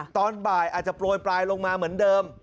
ตอนบ่ายอาจจะโปรยปลายลงมาเหมือนเดิม